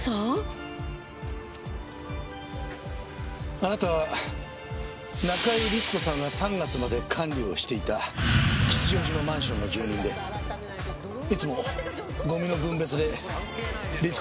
あなたは中井律子さんが３月まで管理をしていた吉祥寺のマンションの住人でいつもゴミの分別で律子さんともめていましたね。